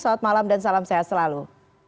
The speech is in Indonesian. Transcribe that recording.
selamat malam dan salam sehat selalu